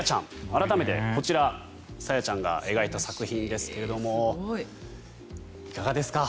改めてこちら、Ｓａｙａちゃんが描いた作品ですがいかがですか？